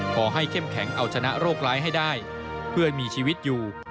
เข้มแข็งเอาชนะโรคร้ายให้ได้เพื่อให้มีชีวิตอยู่